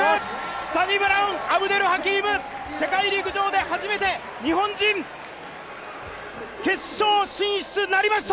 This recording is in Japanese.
サニブラウン・アブデル・ハキーム、世界陸上で初めて日本人、決勝進出なりました！